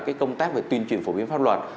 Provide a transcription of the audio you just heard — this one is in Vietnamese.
cái công tác về tuyên truyền phổ biến pháp luật